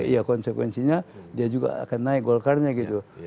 ya konsekuensinya dia juga akan naik golkarnya gitu